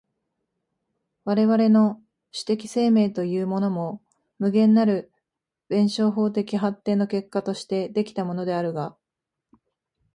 我々の種的生命というものも、無限なる弁証法的発展の結果として出来たものであるが、